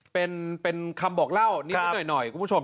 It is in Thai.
เป็นคำบอกเล่านิดหน่อยคุณผู้ชม